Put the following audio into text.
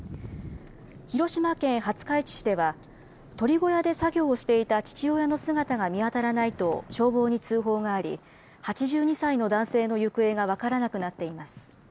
広島県廿日市市では鳥小屋で作業していた父親の姿が見当たらないと消防に通報があり８２歳の男性の行方が分からなくなっています。